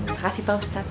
makasih pak ustadz